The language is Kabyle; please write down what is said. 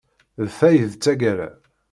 D ta i d tagara.